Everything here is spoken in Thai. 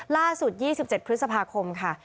ล่าสุด๒๗พฤษภาคมค่ะ